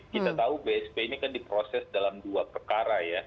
kita tahu bsp ini kan diproses dalam dua perkara ya